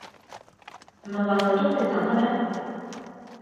唔係話壽終正寢喇咩